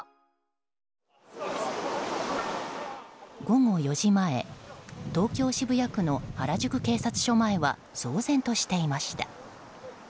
午後４時前東京・渋谷区の原宿警察署前は騒然としていました。